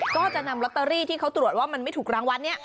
ก็จะนำรอเตอรี่ที่เค้าตรวจว่ามันไม่ถูกรางวัล